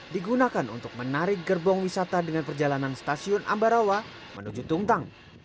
digunakan untuk menarik gerbong wisata dengan perjalanan stasiun ambarawa menuju tungtang